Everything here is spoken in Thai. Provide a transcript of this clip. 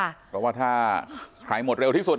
เพราะว่าถ้าใครหมดเร็วที่สุด